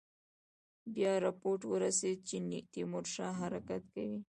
بیا رپوټ ورسېد چې تیمورشاه حرکت کوي.